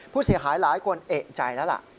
ผู้เสียหายหลายคนเอกใจแล้วล่ะ